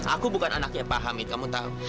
aku bukan anaknya pak hamid kamu tahu